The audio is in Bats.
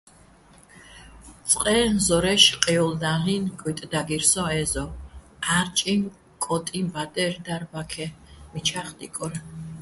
წყე ზორა́ჲში̆ ყიოლდა́ლ'ენო̆ კუ́ჲტი̆ დაგირ სოჼ ე́ზო, ჺა́რჭიჼ კო́ტიჼბადერ დარ ბაქე, მიჩა́ხ დიკორ.